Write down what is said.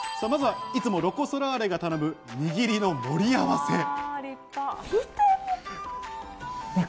まずはいつもロコ・ソラーレが頼む、にぎりの盛り合わせ。